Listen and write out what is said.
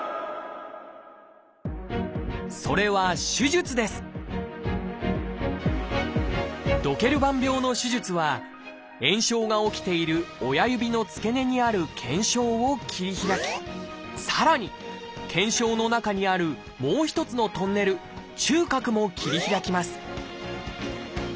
それはドケルバン病の手術は炎症が起きている親指の付け根にある腱鞘を切り開きさらに腱鞘の中にあるもう一つのトンネル「中隔」も切り開きます。